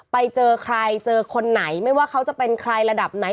ไปเจอใครเจอคนไหนไม่ว่าเขาจะเป็นใครระดับไหน